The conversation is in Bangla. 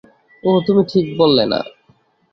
উঁহু, তুমি ঠিক বললে না।